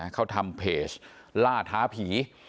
เขาทำเพจล่าท้าผี